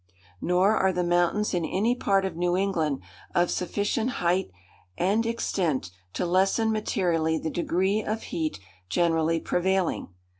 Nor are the mountains in any part of New England of sufficient height and extent to lessen materially the degree of heat generally prevailing.